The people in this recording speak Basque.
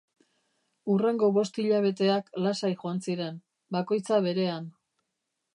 Hurrengo bost hilabeteak lasai joan ziren, bakoitza berean.